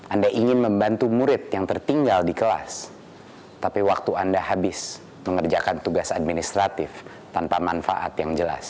anda ingin membantu murid yang tertinggal di kelas tapi waktu anda habis mengerjakan tugas administratif tanpa manfaat yang jelas